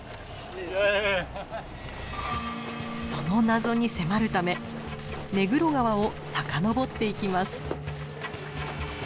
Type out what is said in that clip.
その謎に迫るためネグロ川を遡っていきます。